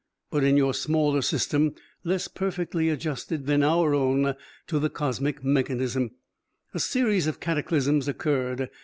But in your smaller system, less perfectly adjusted than our own to the cosmic mechanism, a series of cataclysms occurred.